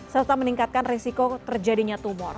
serta meningkatkan risiko terjadinya tumor